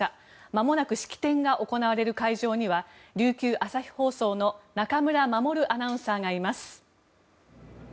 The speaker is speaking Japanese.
まもなく式典が行われる会場には琉球朝日放送の中村守アナウンサーがいます。